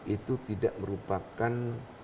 itu tidak merupakan